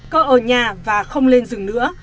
cỡ ở nhà và không lên rừng nữa